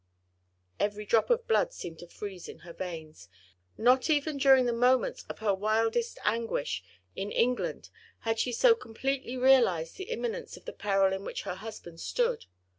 . Every drop of blood seemed to freeze in her veins; not even during the moments of her wildest anguish in England had she so completely realised the imminence of the peril in which her husband stood.